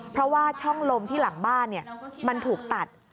เพราะว่าช่องลมที่หลังบ้านมันถูกตัด